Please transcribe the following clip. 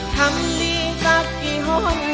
ทำดีสักกี่ห่วง